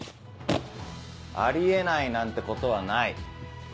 あり得ないなんてことはない。